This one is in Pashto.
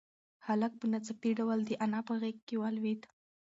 هلک په ناڅاپي ډول د انا په غېږ کې ولوېد.